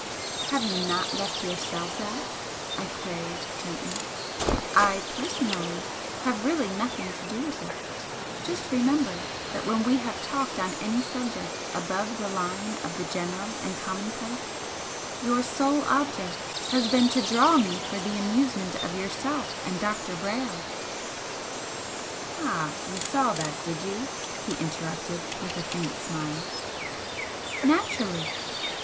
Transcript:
"Have you not left yourselves out?" I queried, gently. "I, personally, have really nothing to do with it. Just remember that when we have talked on any subject above the line of the general and commonplace your sole object has been to 'draw' me for the amusement of yourself and Dr. Brayle " "Ah, you saw that, did you?" he interrupted, with a faint smile. "Naturally!